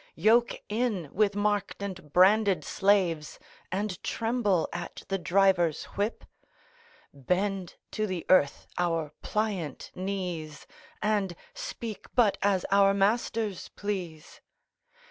Yoke in with marked and branded slaves, And tremble at the driver's whip? Bend to the earth our pliant knees, And speak but as our masters please?